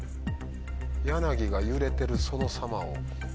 柳が揺れてるそのさまを。